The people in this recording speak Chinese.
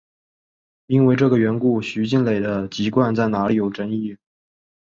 因为这个缘故徐静蕾的籍贯在哪里有争议。